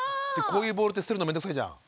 こういうボールって捨てるの面倒くさいじゃん。